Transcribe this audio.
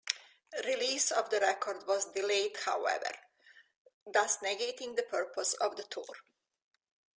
Release of the record was delayed however, thus negating the purpose of the tour.